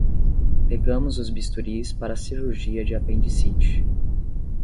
Pegamos os bisturis para a cirurgia de apendicite